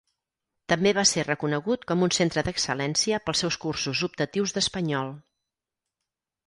També va ser reconegut com un centre d'excel·lència pels seus cursos optatius d'espanyol.